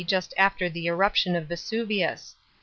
just after the eruption of Vesuvius.